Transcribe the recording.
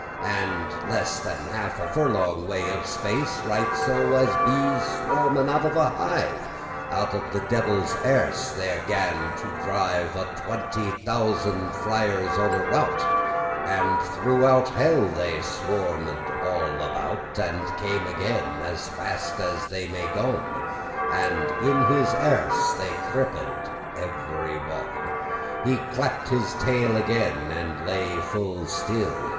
And *less than half a furlong way of space* *immediately* <2> Right so as bees swarmen out of a hive, Out of the devil's erse there gan to drive A twenty thousand friars *on a rout.* *in a crowd* And throughout hell they swarmed all about, And came again, as fast as they may gon, And in his erse they creeped every one: He clapt his tail again, and lay full still.